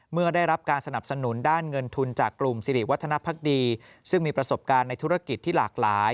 เมื่อได้รับการสนับสนุนด้านเงินทุนจากกลุ่มสิริวัฒนภักดีซึ่งมีประสบการณ์ในธุรกิจที่หลากหลาย